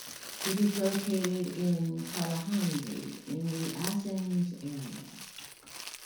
It is located in Chalandri in the Athens area.